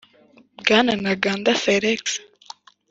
Bwana ntaganda felix